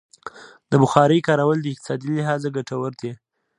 د بخارۍ کارول د اقتصادي لحاظه ګټور دي.